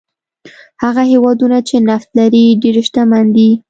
هغه هېوادونه چې نفت لري ډېر شتمن دي.